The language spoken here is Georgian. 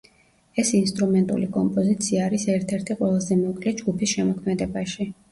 ეს ინსტრუმენტული კომპოზიცია არის ერთ-ერთი ყველაზე მოკლე ჯგუფის შემოქმედებაში.